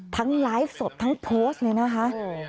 ไลฟ์สดทั้งโพสต์เลยนะคะ